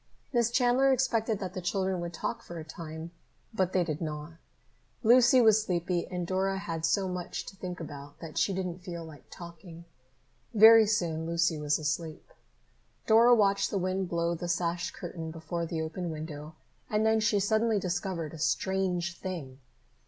Miss Chandler expected that the children would talk for a time, but they did not. Lucy was sleepy and Dora had so much to think about that she didn't feel like talking. Very soon Lucy was asleep. Dora watched the wind blow the sash curtain before the open window and then she suddenly discovered a strange thing.